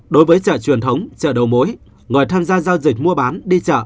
đối với chợ truyền thống chợ đầu mối người tham gia giao dịch mua bán đi chợ